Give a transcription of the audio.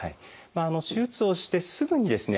手術をしてすぐにですね